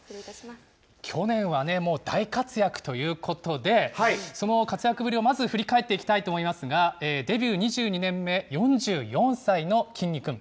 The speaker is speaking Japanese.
去年はね、もう大活躍ということで、その活躍ぶりをまず振り返っていきたいと思いますが、デビュー２２年目、４４歳のきんに君。